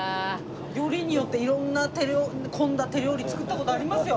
よりによって色んな手の込んだ手料理作った事ありますよ。